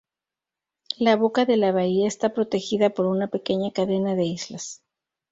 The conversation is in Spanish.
La boca de la bahía está protegida por una pequeña cadena de islas.